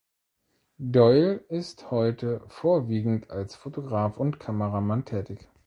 Doyle ist heute vorwiegend als Fotograf und Kameramann tätig.